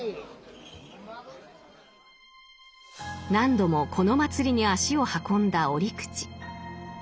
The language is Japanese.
何度もこの祭りに足を運んだ折口。